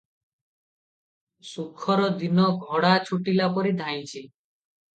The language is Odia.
ସୁଖର ଦିନ ଘୋଡ଼ା ଛୁଟିଲା ପରି ଧାଇଁଛି ।